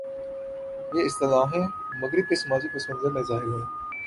یہ اصطلاحیں مغرب کے سماجی پس منظر میں ظاہر ہوئیں۔